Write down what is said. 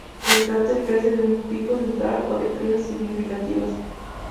El cráter carece de un pico central o de crestas significativas.